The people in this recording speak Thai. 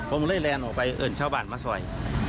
ผมเลยแลนออกไปเอิญชาวบ้านมาซอย